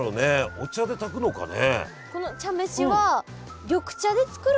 お茶で炊くのかね？